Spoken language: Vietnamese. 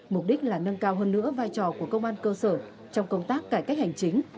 mục đích là nâng cao hơn nữa vai trò của công an cơ sở trong công tác cải cách hành chính